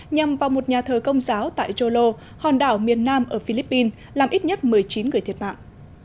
nhằm vào một nhà thờ công giáo tại yolo hòn đảo miền nam ở philippines làm ít nhất một mươi chín người thiệt mạng